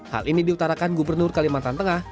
hal ini diutarakan gubernur kalimantan tengah